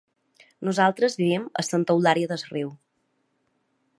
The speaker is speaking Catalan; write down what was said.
Nosaltres vivim a Santa Eulària des Riu.